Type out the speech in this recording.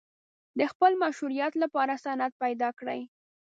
د خپل مشروعیت لپاره سند پیدا کړي.